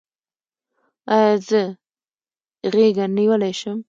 ایا زه غیږه نیولی شم؟